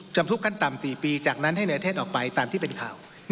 ทุกขั้นต่ำ๔ปีจากนั้นให้เหนือเทศออกไปตามที่เป็นข่าว